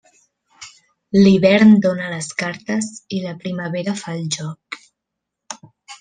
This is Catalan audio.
L'hivern dóna les cartes i la primavera fa el joc.